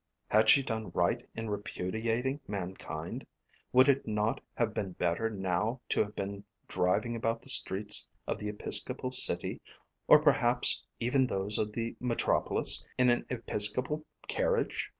Had she done right in repudiating mankind? Would it not have been better now to have been driving about the streets of the episcopal city, or perhaps even those of the metropolis, in an episcopal carriage?